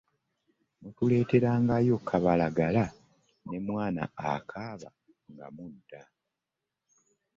Mutuleeterangayo Kabalagala ne mwanaakaaba nga mudda.